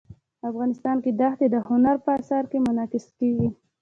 افغانستان کې ښتې د هنر په اثار کې منعکس کېږي.